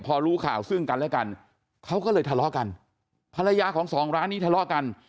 พอรู้ข่าวซึ่งกันและกันเขาก็เลยทะเลาะกันภรรยาของสองร้านนี้ทะเลาะกัน